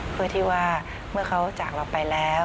เพื่อที่ว่าเมื่อเขาจากเราไปแล้ว